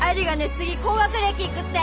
次高学歴いくって。